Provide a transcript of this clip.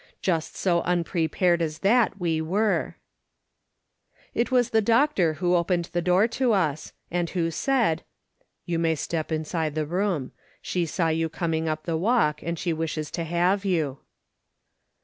Just so unprepared as that were we. It was the doctor who opened the door to us, and X 2 3o8 MRS. SOLOMON SMITH LOOKING ON. ■who said: "You may step inside the room. She saw you coming up the walk, and she M'ishes to have you."